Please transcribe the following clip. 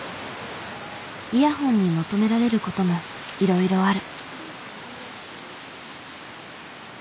イヤホンに求められることもいろいろある。